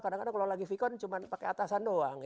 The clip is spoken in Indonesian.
kadang kadang kalau lagi vkon cuma pakai atasan doang